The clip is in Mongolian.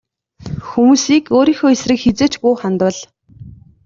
Хүмүүсийг өөрийнхөө эсрэг хэзээ ч бүү хандуул.